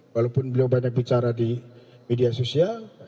walaupun beliau banyak bicara di media sosial